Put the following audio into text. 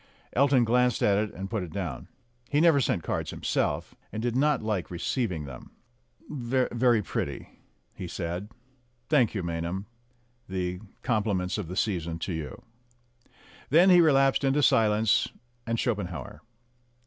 Elton glanced at it and put it down. He never sent cards himself, and did not like receiving them. "Very pretty," he said. "Thank you, Maynham. The compliments of the season to you." Then he re lapsed into silence and Schopenhauer.